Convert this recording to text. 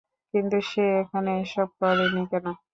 কিন্তু, সে এখনো এসব করেনি কেন?